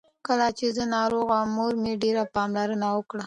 کله چې زه ناروغه وم، مور مې ډېره پالنه وکړه.